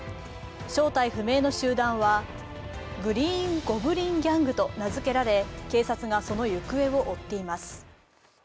正体不明の集団は、グリーン・ゴブリン・ギャングと名付けられ警察がその行方を追っています。